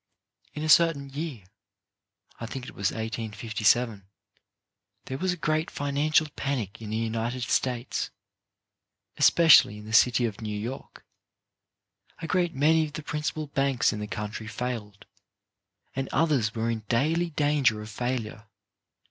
In a certain year — I think it was r857 — there was a great financial panic in the United States, especially in the city of New York. A great many of the principal banks in the country failed, and others were in daily danger of failure.